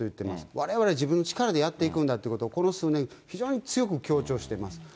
われわれ、自分の力でやっていくんだっていうことを、この数年、非常に強く強調してます。